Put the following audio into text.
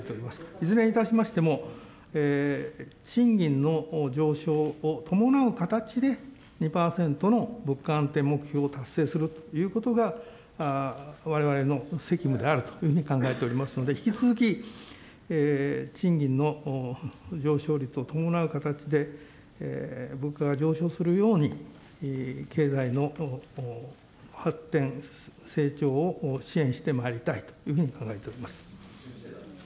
いずれにいたしましても、賃金の上昇を伴う形で２％の物価安定目標を達成するということが、われわれの責務であるというふうに考えておりますので、引き続き、賃金の上昇率を伴う形で物価が上昇するように経済の発展、成長を支援してまいりたいというふうに考えております。